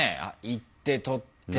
行って撮って。